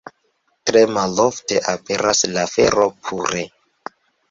Tre malofte aperas la fero pure.